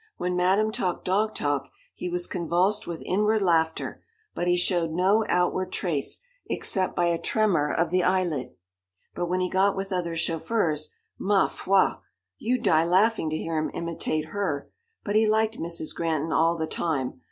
When Madame talked dog talk he was convulsed with inward laughter, but he showed no outward trace except by a tremor of the eyelid. But when he got with other chauffeurs ma foi! You'd die laughing to hear him imitate her but he liked Mrs. Granton all the time.